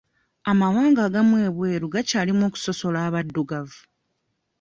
Amawanga agamu ebweru gakyalimu okusosola abaddugavu.